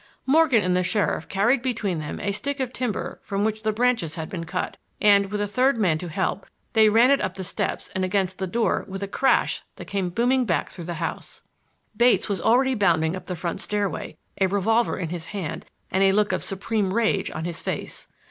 Morgan and the sheriff carried between them a stick of timber from which the branches had been cut, and, with a third man to help, they ran it up the steps and against the door with a crash that came booming back through the house. Bates was already bounding up the front stairway, a revolver in his hand and a look of supreme rage on his face.